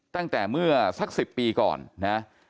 ตั้งแต่เมื่อสัก๑๐ปีก่อนนะ